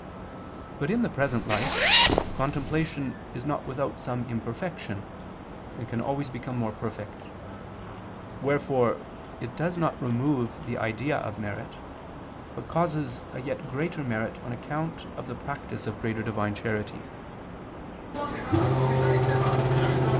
But in the present life contemplation is not without some imperfection, and can always become more perfect; wherefore it does not remove the idea of merit, but causes a yet greater merit on account of the practice of greater Divine charity.